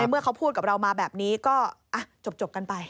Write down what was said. เมื่อเขาพูดกับเรามาแบบนี้ก็จบกันไป